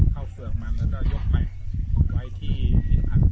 เข้าเผือกมันแล้วก็ยกไปไว้ที่ผิดพันธุ์ที่ประถุงทั้ง